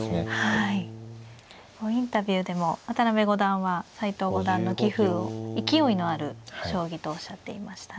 インタビューでも渡辺五段は斎藤五段の棋風を勢いのある将棋とおっしゃっていましたね。